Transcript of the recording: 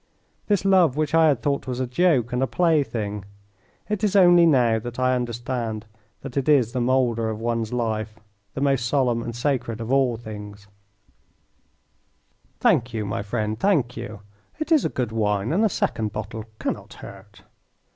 This love which I had thought was a joke and a plaything it is only now that I understand that it is the moulder of one's life, the most solemn and sacred of all things Thank you, my friend, thank you! It is a good wine, and a second bottle cannot hurt.